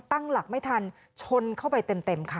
ตั้งหลักไม่ทันชนเข้าไปเต็มค่ะ